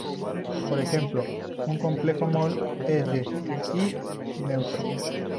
Por ejemplo, un complejo MoL es d y neutro.